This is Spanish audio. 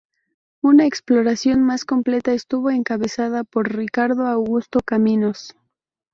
Una exploración más completa estuvo encabezada por Ricardo Augusto Caminos.